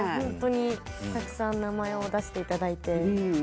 本当にたくさん名前を出していただいて。